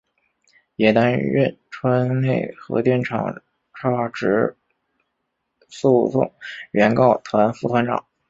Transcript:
也担任川内核电厂差止诉讼原告团副团长。